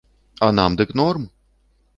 А нам дык норм!